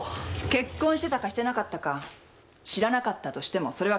結婚してたかしてなかったか知らなかったとしてもそれは関係ない。